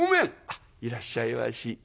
「あっいらっしゃいまし」。